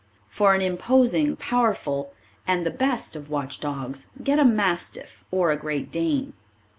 For an imposing, powerful and the best of watch dogs get a Mastiff or a Great Dane.